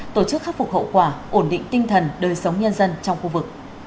tổ chức khắc phục hậu quả ổn định tinh thần đời sống nhân dân trong khu vực